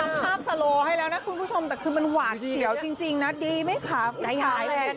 นับภาพเสียวให้แล้วนะคุณผู้ชมแต่มันหวานเสียวจริงนะดีมั้งคะ